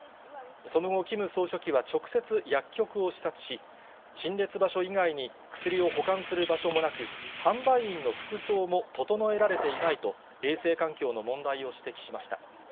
その後、キム総書記は直接、薬局を視察し、陳列場所以外に薬を保管する場所もなく、販売員の服装も整えられていないと、衛生環境の問題を指摘しました。